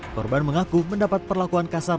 korban mengaku mendapat perlakuan kasar